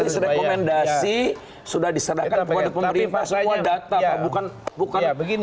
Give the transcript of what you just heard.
itu sudah rekomendasi sudah diserahkan kepada pemerintah semua data pak